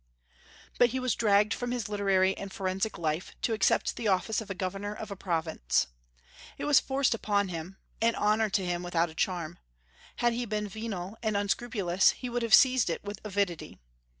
But he was dragged from his literary and forensic life to accept the office of a governor of a province. It was forced upon him, an honor to him without a charm. Had he been venal and unscrupulous, he would have seized it with avidity.